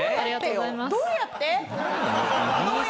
どうやってよ！